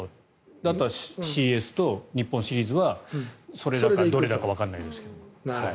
あとはＣＳと日本シリーズはそれだかどれだかわからないですが。